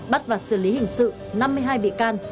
bắt và xử lý hình sự năm mươi hai bị can